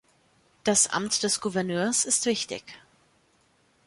Das Amt des Gouverneurs ist wichtig.